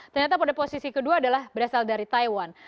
ternyata pada posisi kedua adalah berasal dari taiwan